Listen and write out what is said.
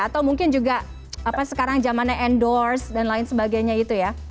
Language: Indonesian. atau mungkin juga sekarang zamannya endorse dan lain sebagainya itu ya